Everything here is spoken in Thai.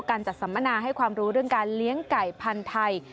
การจัดสัมมนาให้ความรู้เรื่องการเลี้ยงไก่พันธุ์ไทย